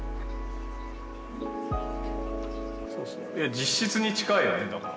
実質に近いよねだから。